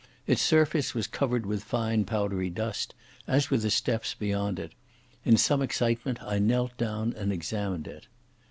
Its surface was covered with fine powdery dust, as were the steps beyond it. In some excitement I knelt down and examined it.